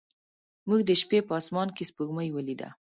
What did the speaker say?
موږ د شپې په اسمان کې سپوږمۍ ولیده.